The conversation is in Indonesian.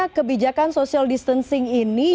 oke artinya kebijakan social distancing ini ya